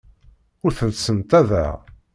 Ur tent-ssenṭaḍeɣ.